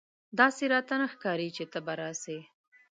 داسي راته نه ښکاري چې ته به راسې !